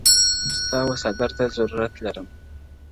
ستا وه څادرته ضروت لرمه؛